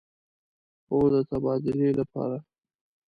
هو، د تبادلې لپاره